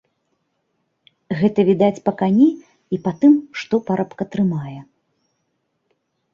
Гэта відаць па кані і па тым, што парабка трымае.